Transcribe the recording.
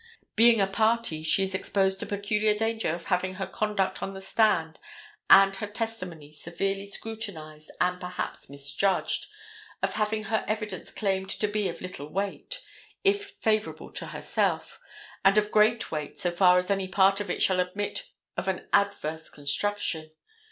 Being a party she is exposed to peculiar danger of having her conduct on the stand and her testimony severely scrutinized and perhaps misjudged, of having her evidence claimed to be of little weight, if favorable to herself, and of great weight so far as any part of it shall admit of an adverse construction.